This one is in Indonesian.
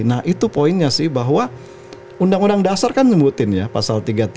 nah itu poinnya sih bahwa undang undang dasar kan nyebutin ya pasal tiga puluh tiga